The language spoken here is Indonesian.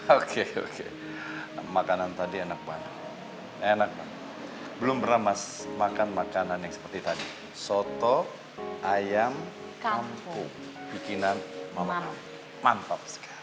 oke oke makanan tadi enak banget enak banget belum pernah mas makan makanan yang seperti tadi soto ayam kampung bikinan mama manfaat sekali